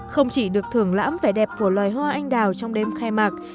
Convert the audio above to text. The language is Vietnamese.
không chỉ được thưởng lãm vẻ đẹp của loài hoa anh đào trong đêm khai mạc